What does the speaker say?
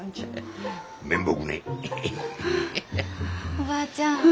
おばあちゃん